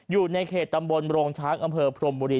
อยู่ในเขตตำบลโรงช้างอำเภอพรมบุรี